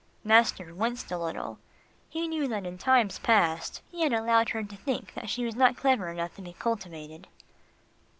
Master winced a little. He knew that in times past, he had allowed her to think that she was not clever enough to be cultivated.